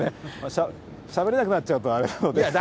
しゃべれなくなっちゃうとあれなので。